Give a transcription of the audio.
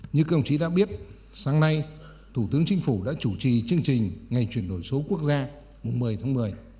như các ông chí đã biết sáng nay thủ tướng chính phủ đã chủ trì chương trình ngày chuyển đổi số quốc gia một mươi tháng một mươi